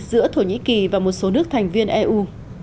giữa thổ nhĩ kỳ và một số nước thành viên eu